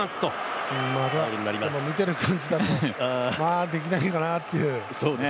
見てる感じだとできないかなっていう。